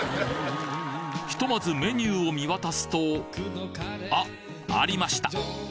ひとまずメニューを見渡すとあっありました！